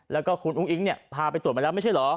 แล้วก็คุณอุ้งอิ๊งเนี่ยพาไปตรวจมาแล้วไม่ใช่เหรอ